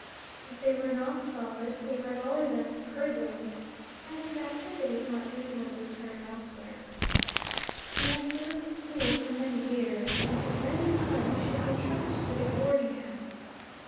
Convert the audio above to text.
If they were not solid, they were at all events curdling, and his activities might reasonably turn elsewhere. He had served the school for many years, and it was really time he should be entrusted with a boarding house.